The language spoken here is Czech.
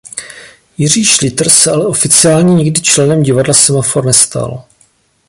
Jiří Šlitr se ale oficiálně nikdy členem divadla Semafor nestal.